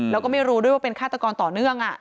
แล้วก็ไม่รู้ด้วยว่าเป็นฆาตกรต่อเนื่อง